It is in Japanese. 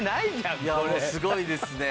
すごいですね。